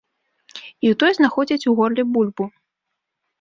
І ў той знаходзяць у горле бульбу.